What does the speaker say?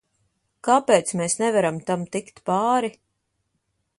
Kāpēc mēs nevaram tam tikt pāri?